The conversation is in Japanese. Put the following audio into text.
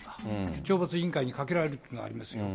懲罰委員会にかけられるっていうのはありますね。